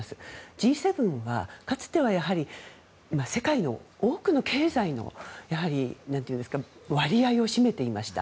Ｇ７はかつてはやはり世界の多くの経済の割合を占めていました。